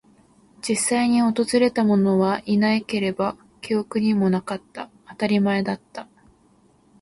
実際に訪れたものはいなければ、記憶にもなかった。当たり前だった。